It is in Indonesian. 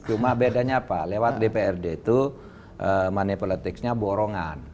cuma bedanya apa lewat dprd itu money politicsnya borongan